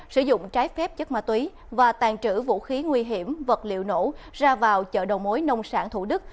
sử dụng trái phép chất ma túy và tàn trữ vũ khí nguy hiểm vật liệu nổ ra vào chợ đầu mối nông sản thủ đức